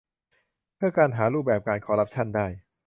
เพื่อหารูปแบบการคอรัปชั่นได้